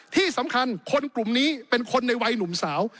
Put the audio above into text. ที่สำคัญคนกลุ่มนี้เป็นคนในวัยหนุ่มสาว